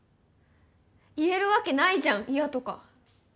言えるわけないじゃん嫌とか。